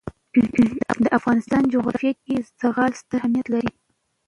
د افغانستان جغرافیه کې زغال ستر اهمیت لري.